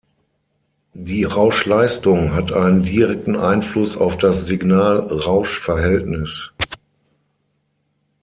Die Rauschleistung hat einen direkten Einfluss auf das Signal-Rausch-Verhältnis.